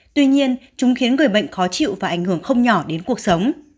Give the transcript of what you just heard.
tuy nhiên chúng khiến người bệnh khó chịu và ảnh hưởng không nhỏ đến cuộc sống